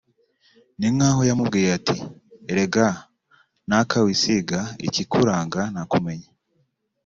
Ni nkaho yamubwiye ati “Erega naka wisiga ikikuranga nakumenye